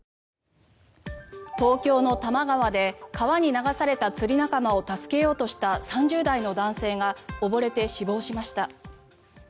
東京の多摩川で川に流された釣り仲間を助けようとした３０代の男性が溺れて死亡しました。